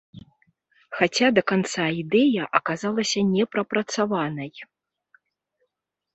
Хаця да канца ідэя аказалася не прапрацаванай.